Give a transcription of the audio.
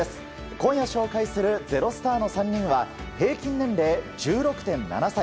今夜紹介する「＃ｚｅｒｏｓｔａｒ」の３人は平均年齢１６．７歳。